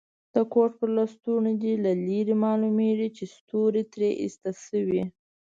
د کوټ پر لستوڼي دي له لرې معلومیږي چي ستوري ترې ایسته شوي.